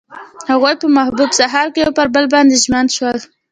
هغوی په محبوب سهار کې پر بل باندې ژمن شول.